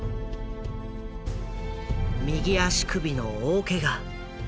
右足首の大ケガ。